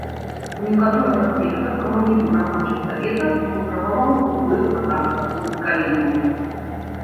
У некаторых аспектах камунізм рабочых саветаў выпрабаваў ўплыў анарха-сындыкалізму.